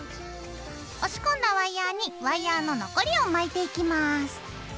押し込んだワイヤーにワイヤーの残りを巻いていきます。